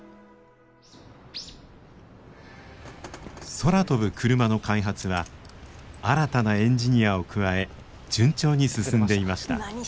空飛ぶクルマの開発は新たなエンジニアを加え順調に進んでいました。